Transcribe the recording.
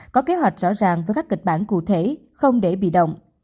có kế hoạch rõ ràng với các kịch bản cụ thể không để bị động